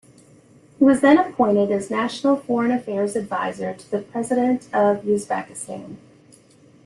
He was then appointed as National Foreign Affairs Advisor to the President of Uzbekistan.